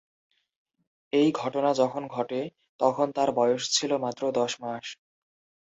এই ঘটনা যখন ঘটে তখন তার বয়স ছিল মাত্র দশ মাস।